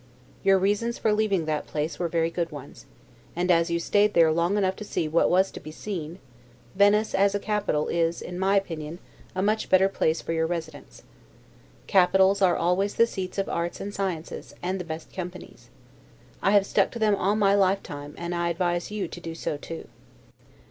Your reasons for leaving that place were very good ones; and as you stayed there long enough to see what was to be seen, Venice (as a capital) is, in my opinion, a much better place for your residence. Capitals are always the seats of arts and sciences, and the best companies. I have stuck to them all my lifetime, and I advise you to do so too.